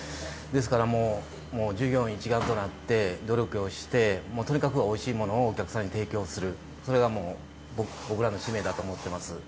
ですからもう、従業員一丸となって努力をして、とにかくおいしいものをお客さんに提供する、それがもう、僕らの使命だと思ってます。